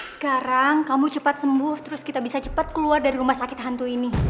sekarang kamu cepat sembuh terus kita bisa cepat keluar dari rumah sakit hantu ini